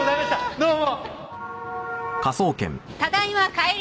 どうも。